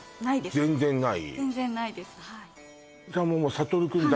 全然ない？